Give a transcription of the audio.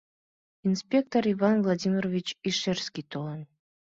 Инспектор Иван Владимирович Ишерский толын.